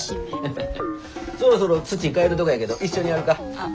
そろそろ土替えるとこやけど一緒にやるか？